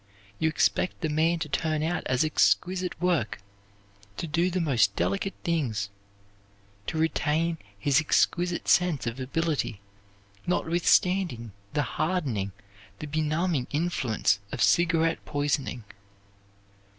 You expect the man to turn out as exquisite work, to do the most delicate things to retain his exquisite sense of ability notwithstanding the hardening, the benumbing influence of cigarette poisoning.